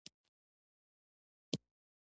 دین بې ساری عظمت او برم لري.